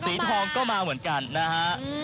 สีทองก็มาเหมือนกันนะฮะ